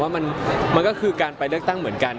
ว่ามันก็คือการไปเลือกตั้งเหมือนกัน